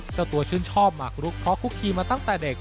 เจ้าตัวชื่นชอบหมากรุกเพราะคุกคีมาตั้งแต่เด็ก